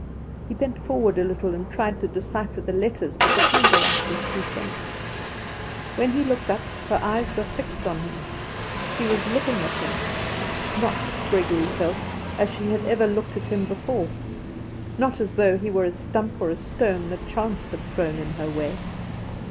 He bent forward a little and tried to decipher the letters, but the candle light was too faint. When he looked up her eyes were fixed on him. She was looking at him not, Gregory felt, as she had ever looked at him before; not as though he were a stump or a stone that chance had thrown in her way.